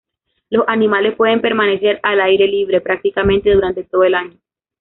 Los animales pueden permanecer al aire libre, prácticamente durante todo el año.